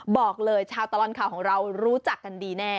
บอกเลยชาวตลอดข่าวของเรารู้จักกันดีแน่